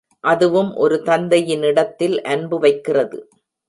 அதுவும் ஒரு தந்தையினிடத்தில் அன்பு வைக்கிறது.